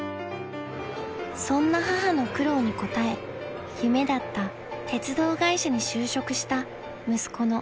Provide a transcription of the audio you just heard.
［そんな母の苦労に応え夢だった鉄道会社に就職した息子の寿尚さん］